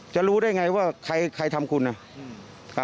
จะรู้ได้ไงว่าใครทำคุณนะ